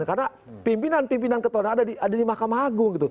karena pimpinan pimpinan ketua ada di makam ha'agung